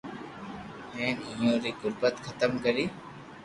ھين اپو ري غربت ختم ڪرئي